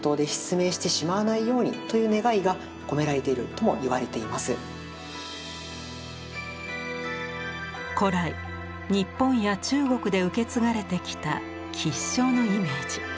このように古来日本や中国で受け継がれてきた吉祥のイメージ。